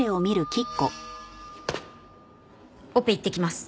オペ行ってきます。